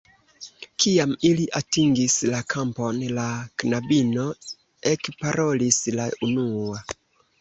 Kiam ili atingis la kampon, la knabino ekparolis la unua.